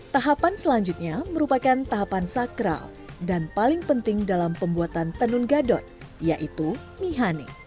tahapan selanjutnya merupakan tahapan sakral dan paling penting dalam pembuatan tenun gadot yaitu mihani